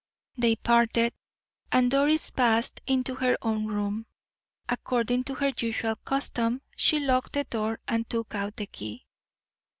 They parted, and Doris passed into her own room. According to her usual custom, she locked the door and took out the key.